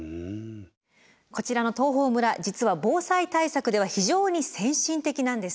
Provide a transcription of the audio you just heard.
こちらの東峰村実は防災対策では非常に先進的なんです。